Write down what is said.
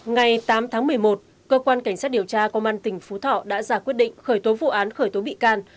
ngày tám tháng một mươi một cơ quan cảnh sát điều tra công an tp hà nội đã ra quyết định khởi tố vụ án khởi tố bị can